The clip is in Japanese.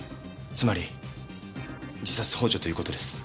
つまり自殺幇助という事です。